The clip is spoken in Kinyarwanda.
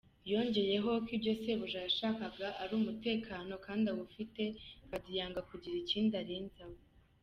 Yongeyeho ko ibyo Sejusa yashakaga ari umutekano kandi awufite, Paddy yanga kugira ikindi arenzaho.